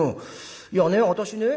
いやね私ね